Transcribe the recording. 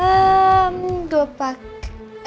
ehm gue pakai